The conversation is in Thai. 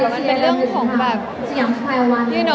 แล้วมันเป็นเรื่องที่เซ็ตเซตีน